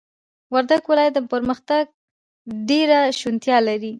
وردگ ولايت د پرمختگ ډېره شونتيا لري،